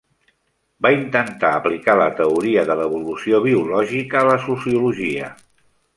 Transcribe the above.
Va intentar aplicar la teoria de l'evolució biològica a la sociologia.